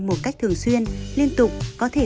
một cách thường xuyên liên tục có thể